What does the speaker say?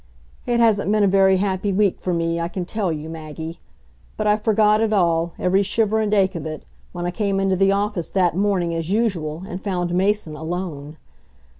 It hasn't been a very happy week for me, I can tell you, Maggie. But I forgot it all, every shiver and ache of it, when I came into the office that morning, as usual, and found Mason alone.